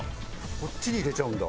こっちに入れちゃうんだ。